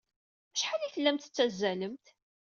Acḥal ay tellamt tettazzalemt?